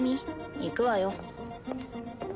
行くわよ。